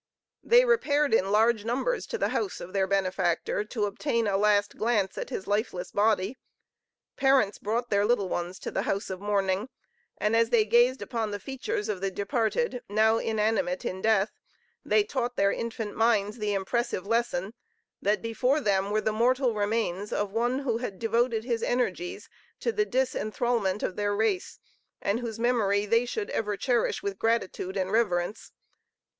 They repaired in large numbers to the house of their benefactor to obtain a last glance at his lifeless body. Parents brought their little ones to the house of mourning, and as they gazed upon the features of the departed, now inanimate in death, they taught their infant minds the impressive lesson, that before them were the mortal remains of one who had devoted his energies to the disenthralment of their race, and whose memory they should ever cherish with gratitude and reverence.